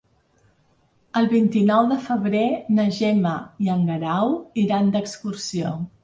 El vint-i-nou de febrer na Gemma i en Guerau iran d'excursió.